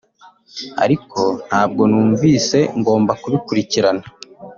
Ariko ntabwo numvise ngomba kubikurikirana